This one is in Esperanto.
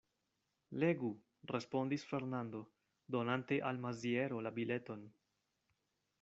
Legu, respondis Fernando, donante al Maziero la bileton.